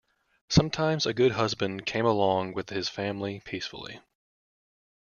Sometimes a good husband came along with his family, peacefully.